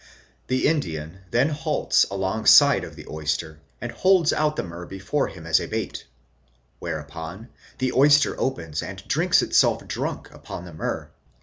The Indian then halts alongside of the oyster and holds out the niyrrh before him as a bait ; whereupon the oyster opens and drinks itself drunk upon the myrrh.